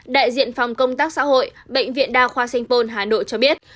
đại diện phòng công tác xã hội bệnh viện đa khoa sanh pôn hà nội cho biết